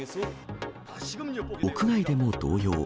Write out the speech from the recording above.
屋外でも同様。